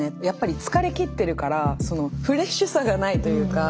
やっぱり疲れきってるからフレッシュさがないというか。